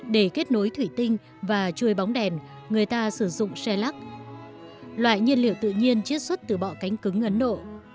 để kết nối thủy tinh và chui bóng đèn người ta sử dụng xe lắc loại nhiên liệu tự nhiên chiết xuất từ bọ cánh cứng ấn độ